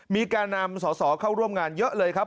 มีแก่นำสอสอเข้าร่วมงานเยอะเลยครับ